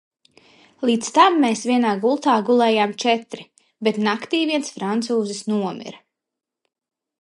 Līdz tam mēs vienā gultā gulējām četri, bet naktī viens francūzis nomira.